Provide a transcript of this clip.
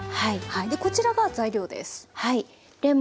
こちらが材料です。